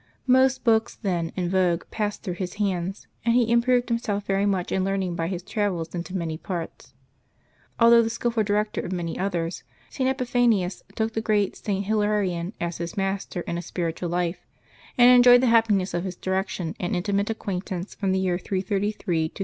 Most books then in vogue passed through his hands; and he improved himself very much in learning by his travels into many parts. Although the skilful director of many others, St. Epi phanius took the great St. Hilarion as his master in a spiritual life, and enjoyed the happiness of his direction and intimate acquaintance from the year 333 to 356.